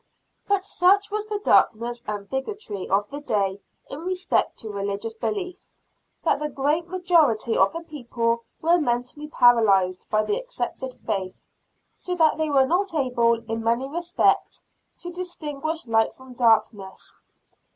But such was the darkness and bigotry of the day in respect to religious belief, that the great majority of the people were mentally paralyzed by the accepted faith, so that they were not able in many respects to distinguish light from darkness.